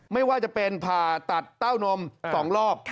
ไม่ว่าจะเป็นผ่าตัดเต้านม๒รอบ